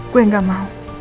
gue gak mau